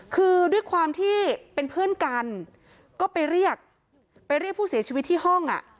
คือด้วยความที่เป็นเพื่อนกันก็ไปเรียกไปเรียกผู้เสียชีวิตที่ห้อง